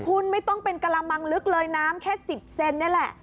คุณไม่ต้องเป็นกระมังลึกเลยน้ำแค่๑๐เซนนี่แหละ